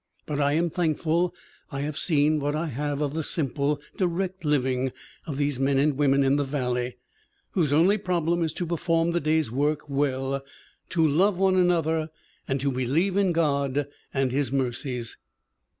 But I am thankful I have seen what I have of the simple, direct living of these men and women in the valley, whose only problem is to perform the day's work well, to love one another and to believe in God and His mercies."